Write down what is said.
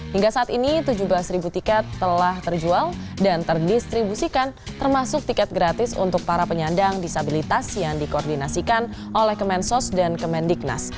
hingga saat ini tujuh belas tiket telah terjual dan terdistribusikan termasuk tiket gratis untuk para penyandang disabilitas yang dikoordinasikan oleh kemensos dan kemendiknas